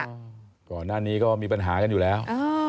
ก่อนหน้านี้ก็มีปัญหากันอยู่แล้ว